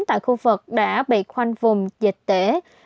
tại khu vực đã bị khoanh vùng dịch tễ